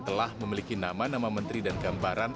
telah memiliki nama nama menteri dan gambaran